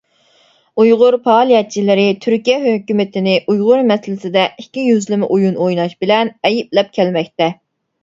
ئۇيغۇر پائالىيەتچىلىرى تۈركىيە ھۆكۈمىتىنى ئۇيغۇر مەسىلىسىدە ئىككى يۈزلىمە ئويۇن ئويناش بىلەن ئەيىبلەپ كەلمەكتە.